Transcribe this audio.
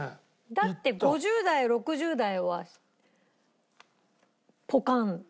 だって５０代６０代はポカンじゃない？